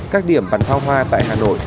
các điểm bắn pháo hoa tại hà nội